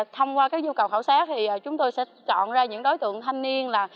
thông qua các nhu cầu khảo sát thì chúng tôi sẽ chọn ra những đối tượng thanh niên